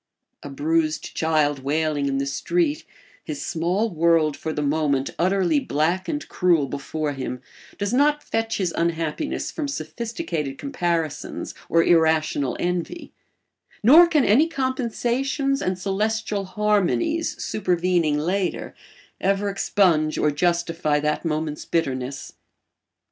A bruised child wailing in the street, his small world for the moment utterly black and cruel before him, does not fetch his unhappiness from sophisticated comparisons or irrational envy; nor can any compensations and celestial harmonies supervening later ever expunge or justify that moment's bitterness.